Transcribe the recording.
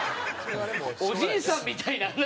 おじいさんみたいな話してる。